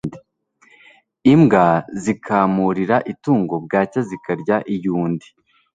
imbwa zikamurira itungo bwacya zikarya iyundi